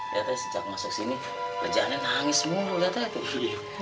lihat aja sejak masuk sini rejane nangis mulu lihat aja tuh